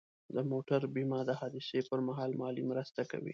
د موټر بیمه د حادثې پر مهال مالي مرسته کوي.